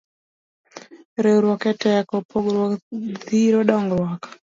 Riwruok e teko, pogruok thiro dongruok